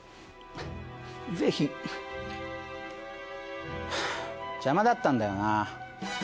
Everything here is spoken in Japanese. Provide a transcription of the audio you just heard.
ぜひ。はぁ邪魔だったんだよな。